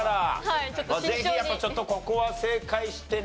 ぜひやっぱここは正解してね。